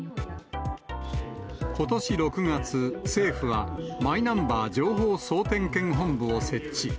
ことし６月、政府はマイナンバー情報総点検本部を設置。